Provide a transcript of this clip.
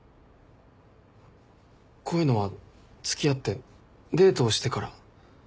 こういうのは付き合ってデートをしてから。